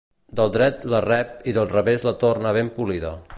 Del dret la rep i del revés la torna ben polida.